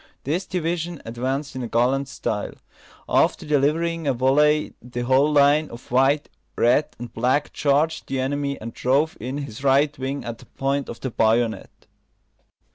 This division advanced in gallant style. After delivering a volley, the whole line of white, red, and black charged the enemy, and drove in his right wing at the point of the bayonet.